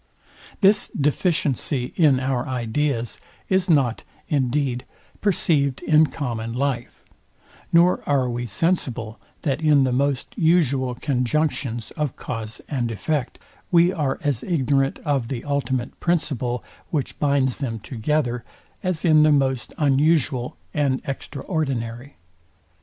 Part III. Sect. 14. This deficiency in our ideas is not, indeed, perceived in common life, nor are we sensible, that in the most usual conjunctions of cause and effect we are as ignorant of the ultimate principle, which binds them together, as in the most unusual and extraordinary.